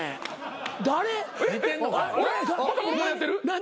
何？